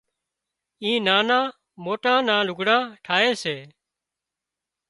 آي نانان موٽان نان لُگھڙان ٺاهي سي